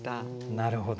なるほど。